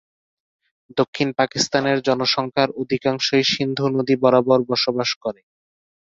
দক্ষিণ পাকিস্তানের জনসংখ্যার অধিকাংশই সিন্ধু নদী বরাবর বসবাস করে।